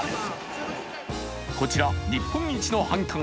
こちら日本一の繁華街